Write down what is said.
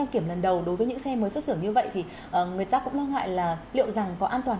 phí từ đầu đối với những xe mới xuất sửa như vậy thì người ta cũng lo ngại là liệu rằng có an toàn